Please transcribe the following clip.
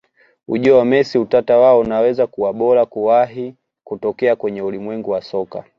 Ujio wa Messi Utata wao unaweza kuwa bora kuwahi kutokea kwenye ulimwengu wa soka